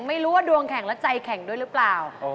ไม่รู้ว่าดวงแข่งแล้วใจแข็งด้วยหรือเปล่า